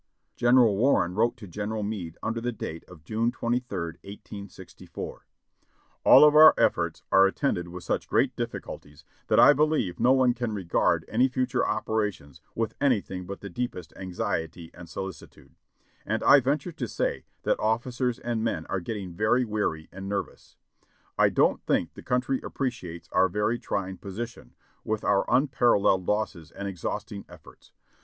General Warren wrote to General Meade under date of June 23rd, 1864. "All of our efforts are attended with such great difficulties that I believe no one can regard any future operations with any thing but the deepest anxiety and solicitude, and I venture to say that officers and men are getting very weary and nervous. "I don't think the country appreciates our very trying position, with our unparalleled losses and exhausting efforts.